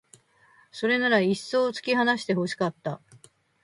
それならいっそう突き放して欲しかった